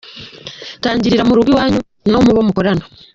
Tangirira mu rugo iwanyu no mubo mukorana.